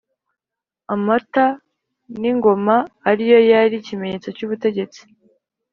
amatan’ingoma ariyo yari ikimenyetso cy’ubutegetsi